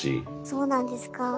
そうなんですか。